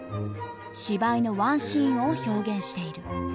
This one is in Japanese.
芝居のワンシーンを表現している。